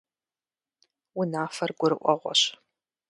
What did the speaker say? Унафэр гурыӀуэгъуэщ.